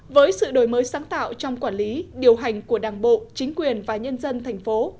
với sự đổi mới sáng tạo trong quản lý điều hành của đảng bộ chính quyền và nhân dân thành phố